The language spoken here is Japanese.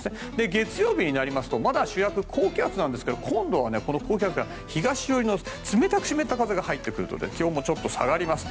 月曜日になりますとまだ主役は高気圧ですが今度はこの高気圧から東寄りの冷たく湿った風が入ってくるので気温もちょっと下がります。